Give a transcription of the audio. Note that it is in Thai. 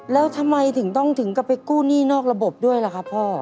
แล้วทำไมถึงต้องถึงกลับไปกู้หนี้นอกระบบด้วยล่ะครับพ่อ